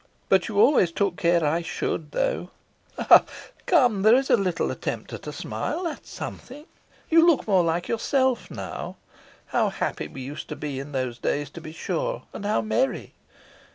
But you always took care I should, though ha! ha! Come, there is a little attempt at a smile. That's something. You look more like yourself now. How happy we used to be in those days, to be sure! and how merry!